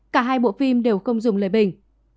cả hai bộ phim đều không dùng lời bình